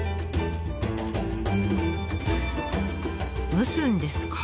蒸すんですか。